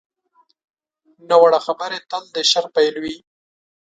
ناوړه خبرې تل د شر پیل وي